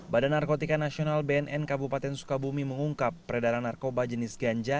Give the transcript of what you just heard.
badan narkotika nasional bnn kabupaten sukabumi mengungkap peredaran narkoba jenis ganja